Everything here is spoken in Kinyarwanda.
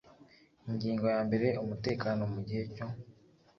Ingingo ya mbere Umutekano mu gihe cyo